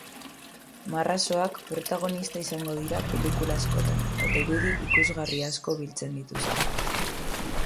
Marrazoak protagonista izango dira pelikula askotan eta irudi ikusgarri asko biltzen dituzte.